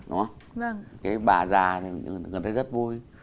cái bà già thì người ta thấy rất vui